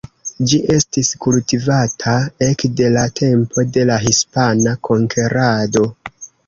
Ĝi estis kultivata ekde la tempo de la hispana konkerado.